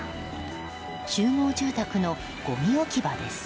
集合住宅のごみ置き場です。